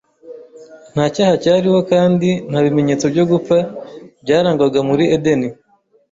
Nta cyaha cyariho, kandi nta bimenyetso byo gupfa byarangwaga muri Edeni